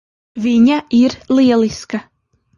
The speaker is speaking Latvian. Viņa ir lieliska.